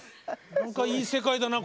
何かいい世界だな